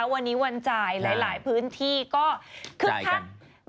วันนี้วันจ่ายหลายพื้นที่ก็คึกคัก